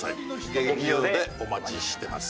劇場でお待ちしてます。